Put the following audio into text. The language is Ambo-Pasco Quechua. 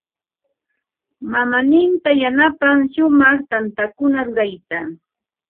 Mamaaninta yanapan shumaq tantakuna rurayta.